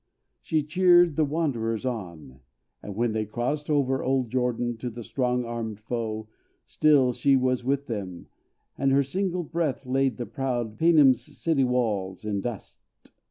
She cheered the wanderers on; and when they crossed Over old Jordan, to the strong armed foe, Still she was with them; and her single breath Laid the proud Painim's city walls in dust!